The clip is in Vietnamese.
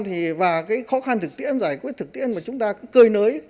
thực tiễn giải quyết thực tiễn mà chúng ta cứ cơi nới